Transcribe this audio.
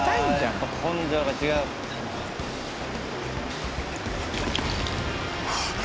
やっぱ根性が違うはっ